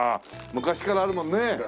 昔からあるもんね。